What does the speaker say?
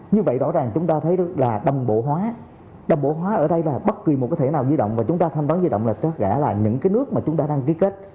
như vậy rõ ràng chúng ta thấy là đồng bộ hóa đồng bộ hóa ở đây là bất kỳ một cái thẻ nào di động và chúng ta thanh toán di động là những cái nước mà chúng ta đang ký kết